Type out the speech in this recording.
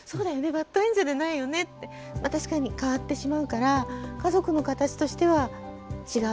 バッドエンドじゃないよねってまあ確かに替わってしまうから家族の形としては違う。